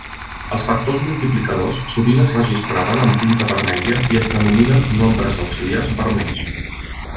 Els factors multiplicadors sovint es registraven amb tinta vermella i es denominen nombres auxiliars vermells.